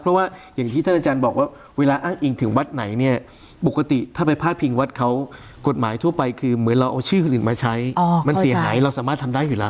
เพราะว่าอย่างที่ท่านอาจารย์บอกว่าเวลาอ้างอิงถึงวัดไหนเนี่ยปกติถ้าไปพาดพิงวัดเขากฎหมายทั่วไปคือเหมือนเราเอาชื่อคนอื่นมาใช้มันเสียหายเราสามารถทำได้อยู่แล้ว